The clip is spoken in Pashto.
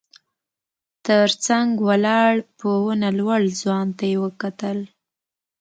تر څنګ ولاړ په ونه لوړ ځوان ته يې وکتل.